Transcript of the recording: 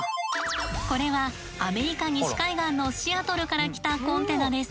これはアメリカ西海岸のシアトルから来たコンテナです。